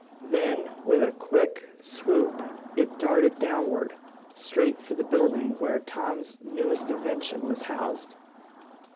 Then, with a quick swoop it darted downward, straight for the building where Tom's newest invention was housed.